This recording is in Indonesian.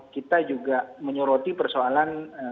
kita juga menyoroti persoalan